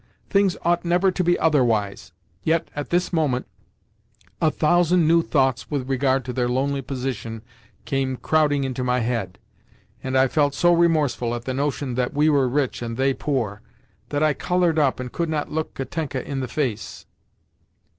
Things ought never to be otherwise. Yet, at this moment, a thousand new thoughts with regard to their lonely position came crowding into my head, and I felt so remorseful at the notion that we were rich and they poor, that I coloured up and could not look Katenka in the face.